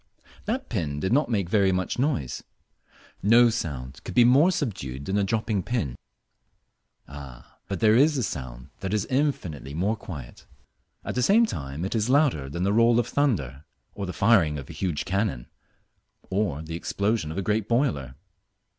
That pin did not make much noise. No sound could be more subdued than a dropping pin. Ah, but there is a sound that is infinitely more quiet. At the same time it is louder than the roll of thunder, or the firing of a huge cannon, or the explosion of a great boiler.